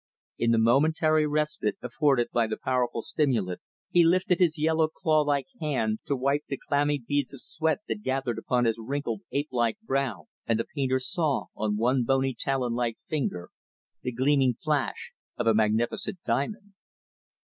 In the momentary respite afforded by the powerful stimulant, he lifted his yellow, claw like hand to wipe the clammy beads of sweat that gathered upon his wrinkled, ape like brow; and the painter saw, on one bony, talon like finger, the gleaming flash of a magnificent diamond.